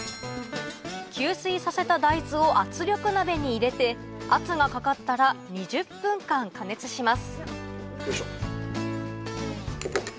吸水させた大豆を圧力鍋に入れて圧がかかったら２０分間加熱します